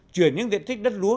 chuyển những diện tích đất lúa